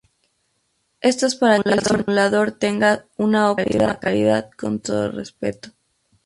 Esto es para que el simulador, tenga una óptima calidad en todo aspecto